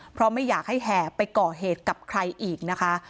เพราะไม่อยากให้แห่ไปก่อเหตุกับใครอีกนะคะ